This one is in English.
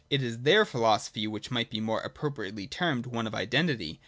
It is their philosophy which might more ap propriately be termed one of identity.